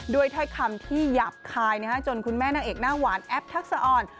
ถ้อยคำที่หยาบคายจนคุณแม่นางเอกหน้าหวานแอปทักษะอ่อน